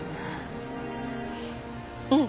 うん。